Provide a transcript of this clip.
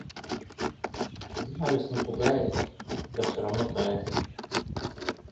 Зима весну пугает, да всё равно тает.